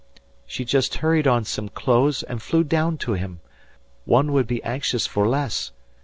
She just hurried on some clothes and flew down to him. One would be anxious for less.